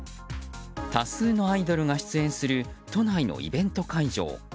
多数のアイドルが出演する都内のイベント会場。